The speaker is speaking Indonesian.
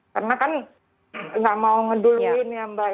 karena kan gak mau ngeduluin ya mbak